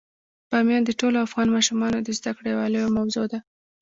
بامیان د ټولو افغان ماشومانو د زده کړې یوه لویه موضوع ده.